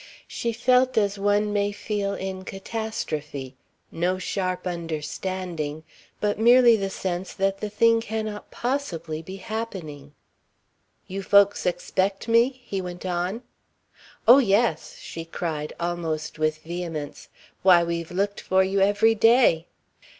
She felt as one may feel in catastrophe no sharp understanding but merely the sense that the thing cannot possibly be happening. "You folks expect me?" he went on. "Oh, yes," she cried, almost with vehemence. "Why, we've looked for you every day."